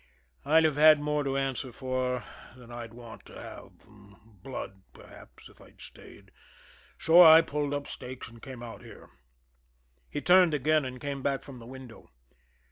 I'd have had more to answer for than I'd want to have, blood, perhaps, if I'd stayed, so I pulled up stakes and came out here." He turned again and came back from the window.